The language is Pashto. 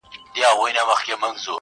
سل غلامه په خدمت کي سل مینځیاني!!